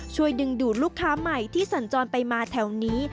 ช่วยดึงดูดลูกค้าใหม่ที่สัญจรไปมาแถวนี้